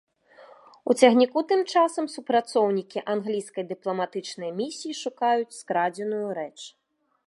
У цягніку тым часам супрацоўнікі англійскай дыпламатычнай місіі шукаюць скрадзеную рэч.